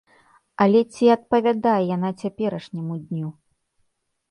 Але ці адпавядае яна цяперашняму дню?